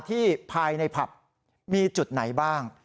ที่ภายในผับมีจุดไหนบ้าง